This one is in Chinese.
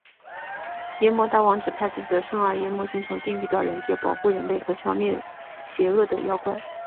阎魔大王指派自己的甥儿炎魔君从地狱到人界保护人类和消灭邪恶的妖怪。